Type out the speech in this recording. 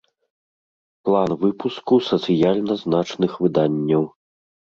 План выпуску сацыяльна значных выданняў